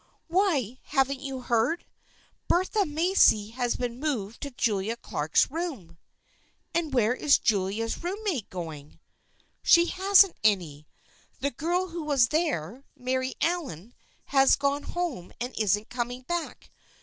" Why, haven't you heard ? Bertha Macy has been moved to Julia Clark's room." " And where is Julia's roommate going? "" She hasn't any. The girl who was there, Mary Allen, has gone home and isn't coming back.